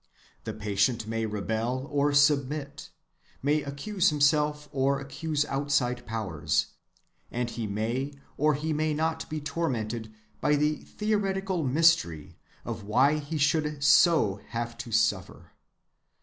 The patient may rebel or submit; may accuse himself, or accuse outside powers; and he may or he may not be tormented by the theoretical mystery of why he should so have to suffer.